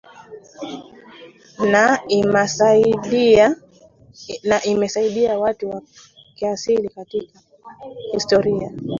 na imesaidia watu wa kiasili katika historia